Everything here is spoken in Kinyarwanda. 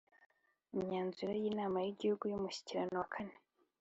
Imyanzuro y inama y Igihugu y Umushyikirano wa kane